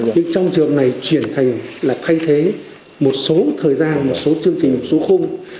nhưng trong trường này chuyển thành là thay thế một số thời gian một số chương trình một số khung